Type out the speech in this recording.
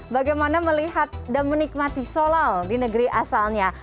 bagaimana melihat dan menikmati solal di negeri asalnya